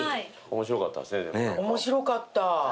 面白かった。